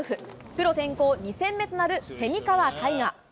プロ転向２戦目となる蝉川泰果。